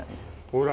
ほら！